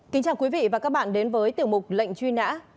kính chào quý vị và các bạn đến với tiểu mục lệnh truy nã